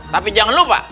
tapi jangan lupa